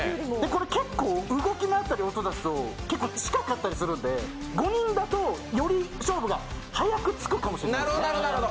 これ、結構動き回ったり、音を出すと近かったりするので５人だとより勝負が早くつくかもしれない。